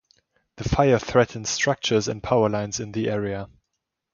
The fire threatened structures and power lines in the area.